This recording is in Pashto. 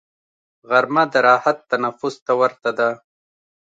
غرمه د راحت تنفس ته ورته ده